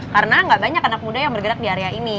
karena nggak banyak anak muda yang bergerak di area ini